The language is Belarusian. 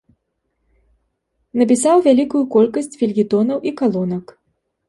Напісаў вялікую колькасць фельетонаў і калонак.